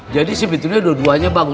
jadi sebetulnya dua duanya bagus